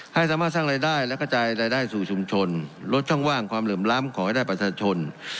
ให้สามารถสร้างรายได้และกระจายรายได้สู่ชุมชนลดช่องว่างความเหลื่อมล้ำขอให้ได้ประชาชน